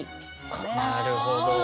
なるほど。